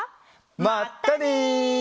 まったね！